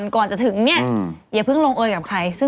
ก่อนจะถึงเนี่ยอย่าเพิ่งลงเอยกับใคร